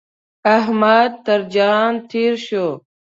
احمد تر جهان تېر شو.